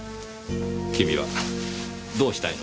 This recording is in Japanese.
君はどうしたいのですか？